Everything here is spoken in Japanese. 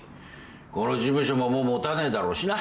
この事務所ももう持たねえだろうしな。